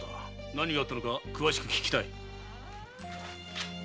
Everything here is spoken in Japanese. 何があったのか詳しく訊きたい。